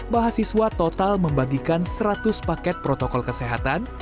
mahasiswa total membagikan seratus paket protokol kesehatan